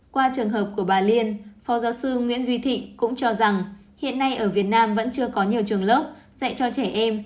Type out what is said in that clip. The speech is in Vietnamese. qua trường hợp của bà liên phó giáo sư nguyễn duy thị cũng cho rằng hiện nay ở việt nam vẫn chưa có nhiều trường lớp dạy cho trẻ em